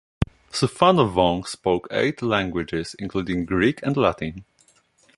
Souphanouvong spoke eight languages, including Greek and Latin.